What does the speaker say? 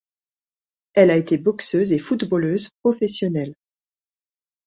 Elle a été boxeuse et footballeuse professionnelle.